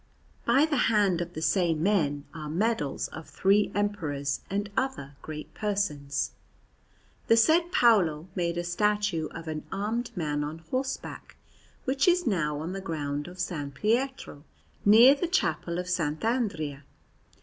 By the hand of the same men are medals of three Emperors and other great persons. The said Paolo made a statue of an armed man on horseback, which is now on the ground in S. Pietro, near the Chapel of S. Andrea.